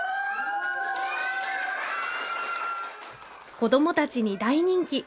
子どもたちに大人気。